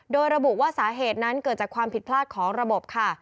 โดยระบุว่าสาเหตุนั้นเกิดจากความผิดพลาดของระบบค่ะ